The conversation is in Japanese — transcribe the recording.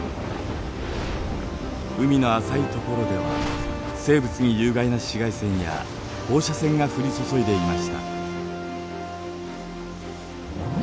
海の浅い所では生物に有害な紫外線や放射線が降り注いでいました。